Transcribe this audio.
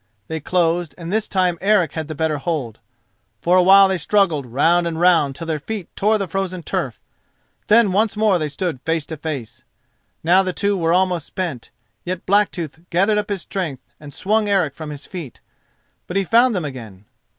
They closed and this time Eric had the better hold. For a while they struggled round and round till their feet tore the frozen turf, then once more they stood face to face. Now the two were almost spent; yet Blacktooth gathered up his strength and swung Eric from his feet, but he found them again.